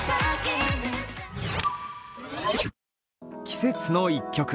季節の１曲。